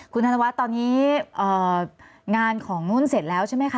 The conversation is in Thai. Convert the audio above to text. คุณธนวัฒน์ตอนนี้งานของนุ่นเสร็จแล้วใช่ไหมคะ